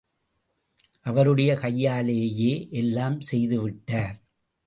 அவருடைய கையாலேயே எல்லாம் செய்து விட்டார்.